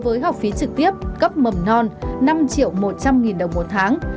với học phí trực tiếp cấp mầm non năm một trăm linh nghìn đồng một tháng